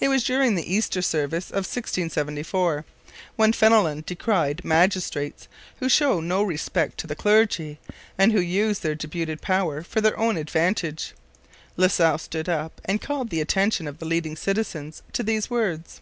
It was during the Easter service of 1674. When Fenelon decried magistrates who show no respect to the clergy and who use their deputed power for their own advantage, La Salle stood up and called the attention of the leading citizens to these words.